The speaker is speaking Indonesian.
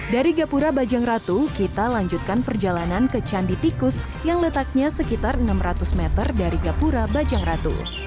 dari gapura bajang ratu kita lanjutkan perjalanan ke candi tikus yang letaknya sekitar enam ratus meter dari gapura bajang ratu